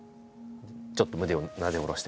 ちょっと胸をなで下ろしてはあ！